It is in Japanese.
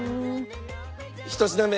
１品目